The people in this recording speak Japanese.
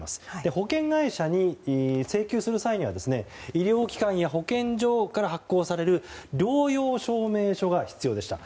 保険会社に請求する際には医療機関や保健所から発行される療養証明書が必要でした。